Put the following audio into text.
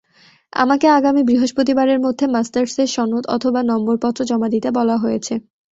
আমাকে আগামী বৃহস্পতিবারের মধ্যে মাস্টার্সের সনদ অথবা নম্বরপত্র জমা দিতে বলা হয়েছে।